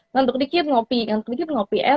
nantuk dikit ngopi nantuk dikit ngopi eh